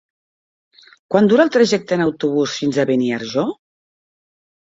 Quant dura el trajecte en autobús fins a Beniarjó?